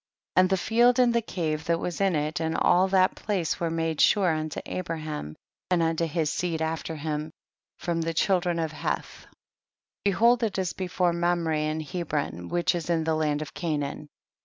1 1 . And the field and the cave that was in it and all that place were made sure unto Abraham and unto his seed after him, from the children of Heth ; behold it is before Mamre in Hebron, which is in the land of Canaan.